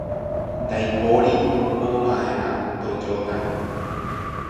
Ndaipóri opova'erã Toyóta-re.